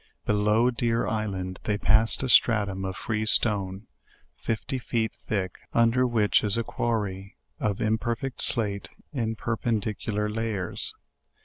Below Deer Island they passed a stratum of free stone, fifty feet thick, under which is a quarry of 'imperfect slate in per pendicular layers.